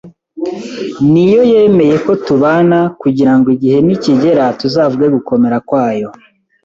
niyo yemeye ko tubana kugirango igihe nikigera tuzavuge gukomera kwayo.